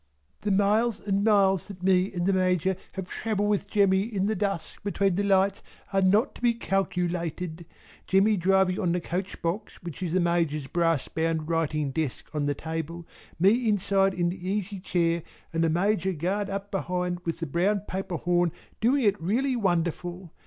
The miles and miles that me and the Major have travelled with Jemmy in the dusk between the lights are not to be calculated, Jemmy driving on the coach box which is the Major's brass bound writing desk on the table, me inside in the easy chair and the Major Guard up behind with a brown paper horn doing it really wonderful.